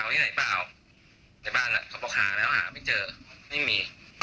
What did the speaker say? ผมก็อยากจะรู้เหมือนกันครับว่าเป็นเป็นยังไงเกิดการเป็นยังไงมายังไง